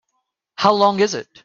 How long is it?